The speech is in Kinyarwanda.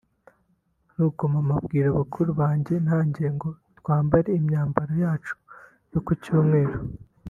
nuko mama abwira bakuru banjye nanjye ngo twambare imyambaro yacu yo ku Cyumweru